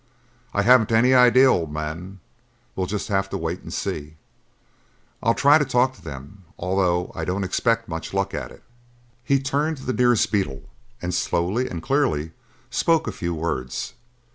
"I haven't any idea, old man. We'll just have to wait and see. I'll try to talk to them, although I don't expect much luck at it." He turned to the nearest beetle and slowly and clearly spoke a few words.